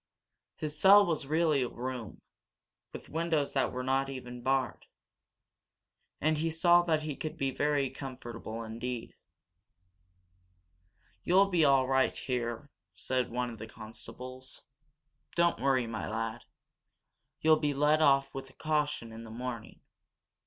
His cell was really a room, with windows that were not even barred. And he saw that he could be very comfortable indeed. "You'll be all right here," said one of the constables. "Don't worry, my lad. You'll be let off with a caution in the morning.